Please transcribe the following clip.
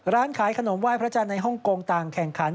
ร้านขายขนมไหว้พระจันทร์ในฮ่องกงต่างแข่งขัน